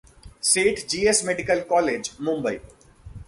Seth GS medical college, Mumbai